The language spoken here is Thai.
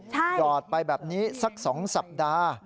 จอดไปแบบนี้สัก๒สัปดาห์